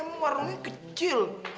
emang warungnya kecil